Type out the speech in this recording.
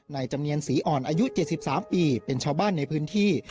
จำเนียนศรีอ่อนอายุ๗๓ปีเป็นชาวบ้านในพื้นที่